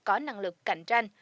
có năng lực cạnh tranh